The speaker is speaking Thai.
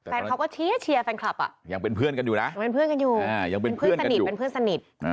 แฟนคลับก็เชียร์แฟนคลับอ่ะยังเป็นเพื่อนกันอยู่นะเป็นเพื่อนสนิท